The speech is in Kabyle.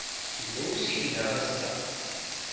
Yella usigna ass-a.